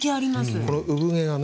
この産毛がね